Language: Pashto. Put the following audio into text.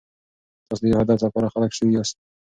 تاسو د یو هدف لپاره خلق شوي یاست.